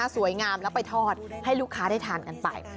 สวยงามแล้วไปทอดให้ลูกค้าได้ทานกันไป